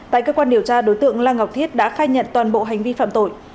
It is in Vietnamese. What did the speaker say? tại cơ quan điều tra đối tượng lan ngọc thiết đã khai nhận toàn bộ hành vi phạm tội